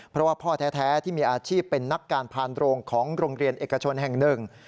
เพราะว่าพ่อแท้ที่มีอาชีพเป็นนักการพานโรงของโรงเรียนเอกชนแห่งหนึ่ง